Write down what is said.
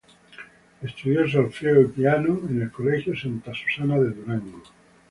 Estudió solfeo y piano en el colegio Santa Susana de Durango.